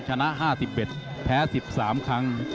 ชนะ๕๑แพ้๑๓ครั้ง